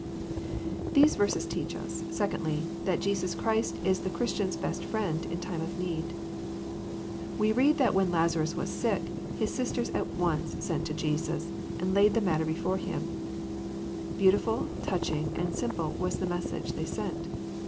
These verses teach us, secondly, that Je^aB Christ is tJie Christian's best Friend in the time of need. We read that when Lazarus was sick, his sisters at once sent to Jesus, and laid the matter before Him. Beauttftll, touching, and simple was the message they sent.